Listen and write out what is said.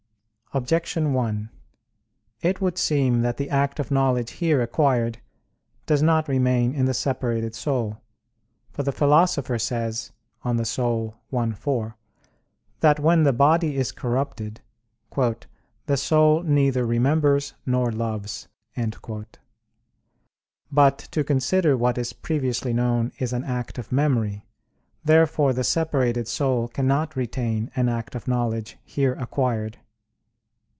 Objection 1: It would seem that the act of knowledge here acquired does not remain in the separated soul. For the Philosopher says (De Anima i, 4), that when the body is corrupted, "the soul neither remembers nor loves." But to consider what is previously known is an act of memory. Therefore the separated soul cannot retain an act of knowledge here acquired.